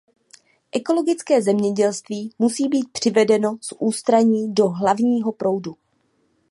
Ekologické zemědělství musí být přivedeno z ústraní do hlavního proudu.